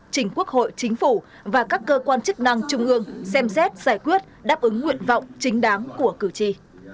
trình quốc hội chính phủ và các cơ quan chức năng trung ương xem xét giải quyết đáp ứng nguyện vọng chính đáng của cử tri